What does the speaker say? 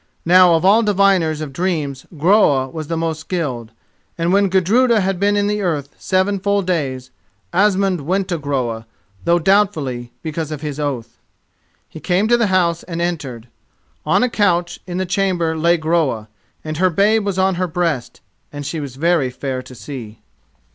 Now of all diviners of dreams Groa was the most skilled, and when Gudruda had been in earth seven full days, Asmund went to Groa, though doubtfully, because of his oath. He came to the house and entered. On a couch in the chamber lay Groa, and her babe was on her breast and she was very fair to see.